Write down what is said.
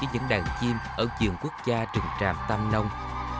những đàn chim ở giường quốc gia trừng tràm tam nông